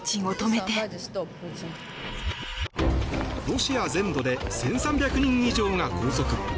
ロシア全土で１３００人以上が拘束。